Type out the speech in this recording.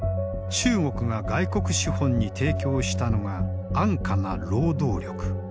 中国が外国資本に提供したのが安価な労働力。